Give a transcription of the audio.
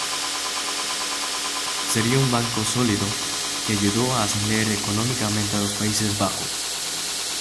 Sería un banco sólido, que ayudó a ascender económicamente a los Países Bajos.